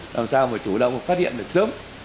làm sao mà chủ động phát hiện được sớm